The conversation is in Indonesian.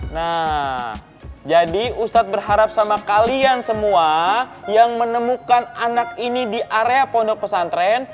nah jadi ustadz berharap sama kalian semua yang menemukan anak ini di area pondok pesantren